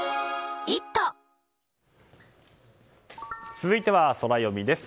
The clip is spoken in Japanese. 続いてはソラよみです。